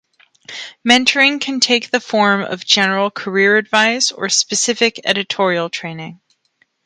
Mentoring can take the form of general career advice or specific editorial training.